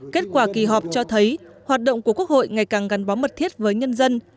kết quả kỳ họp cho thấy hoạt động của quốc hội ngày càng gắn bó mật thiết với nhân dân